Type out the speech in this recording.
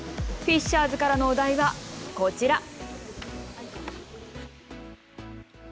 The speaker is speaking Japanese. フィッシャーズからのお題はこちら。